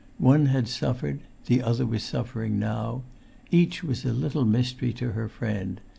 One had suffered; the other was suffering now; each was a little mystery to her friend.